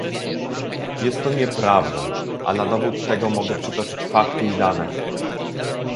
Jest to nieprawda, a na dowód tego mogę przytoczyć fakty i dane